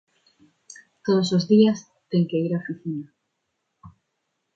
Todos os días ten que ir á oficina.